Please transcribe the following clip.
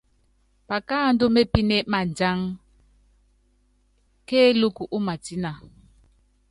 Pakáandú mépíné madíangá kélúkú ú matína.